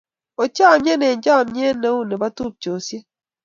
Ochamnye eng'chamnyet ne u ne bo tupchosiek.